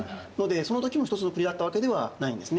その時も一つの国だったわけではないんですね。